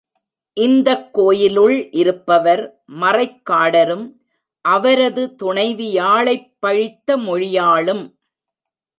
இந்தக் கோயிலுள் இருப்பவர் மறைக் காடரும் அவரது துணைவி யாழைப் பழித்த மொழியாளும்.